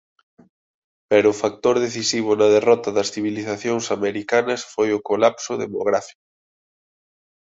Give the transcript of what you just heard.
Pero o factor decisivo na derrota das civilizacións americanas foi o colapso demográfico.